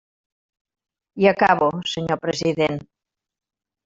I acabo, senyor president.